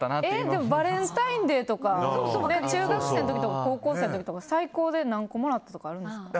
でもバレンタインデーとか中学生とか高校生の時とか最高で何個もらったとかあるんですか？